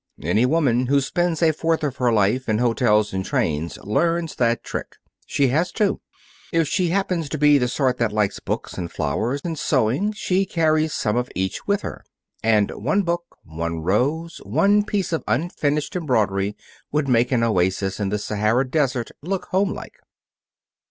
"Any woman who has spent a fourth of her life in hotels and trains learns that trick. She has to. If she happens to be the sort that likes books and flowers and sewing, she carries some of each with her. And one book, one rose, and one piece of unfinished embroidery would make an oasis in the Sahara Desert look homelike."